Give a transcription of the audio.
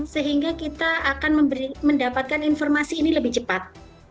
sehingga kita akan mendapatkan informasi ini lebih cepat